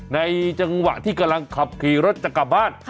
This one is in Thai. ในจังหวะที่กำลังขับขี่รถจะกลับบ้าน